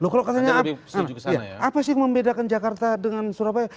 kalau katanya apa sih yang membedakan jakarta dengan surabaya